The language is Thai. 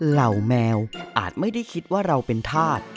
เหล่าแมวอาจไม่ได้คิดว่าเราเป็นธาตุ